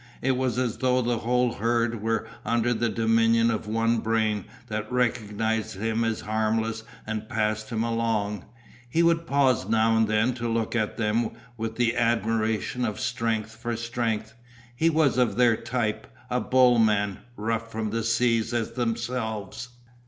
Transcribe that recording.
It was as though the whole herd were under the dominion of one brain that recognized him as harmless and passed him along. He would pause now and then to look at them with the admiration of strength for strength. He was of their type, a bull man, rough from the sea as themselves.